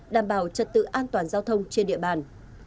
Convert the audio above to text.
đảm bảo trật tự an toàn giao thông trên địa bàn